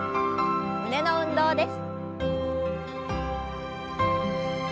胸の運動です。